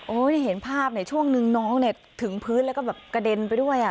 ได้เห็นภาพช่วงนึงน้องเนี่ยถึงพื้นแล้วก็แบบกระเด็นไปด้วย